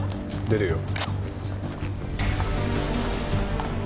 出るよ。